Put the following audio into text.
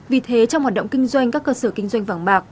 vì thế trong hoạt động kinh doanh các cơ sở kinh doanh vàng bạc